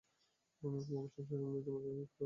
অবশেষে সন্ধ্যার সময় রীতিমত খাড় আরম্ভ হয়।